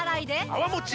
泡もち